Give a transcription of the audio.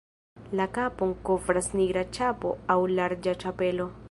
La kapon kovras nigra ĉapo aŭ larĝa ĉapelo.